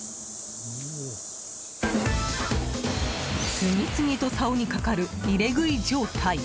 次々と、さおにかかる入れ食い状態。